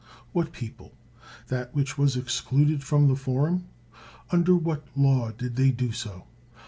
'' What peo ple? That which was excluded from the forum? Under what law did they do so